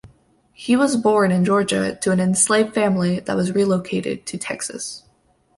He was born in Georgia to an enslaved family that was relocated to Texas.